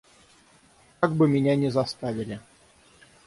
Как бы меня не заставили.